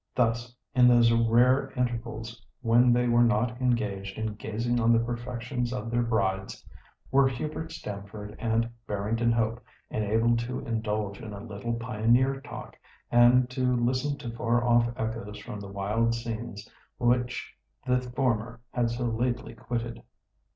Thus, in those rare intervals when they were not engaged in gazing on the perfections of their brides, were Hubert Stamford and Barrington Hope enabled to indulge in a little pioneer talk, and to listen to far off echoes from the wild scenes which the former had so lately quitted.